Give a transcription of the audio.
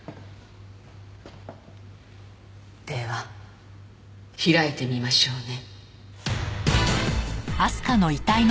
では開いてみましょうね。